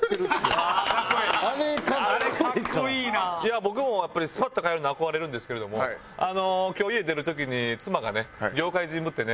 僕もやっぱりスパッと帰るの憧れるんですけれども今日家出る時に妻がね業界人ぶってね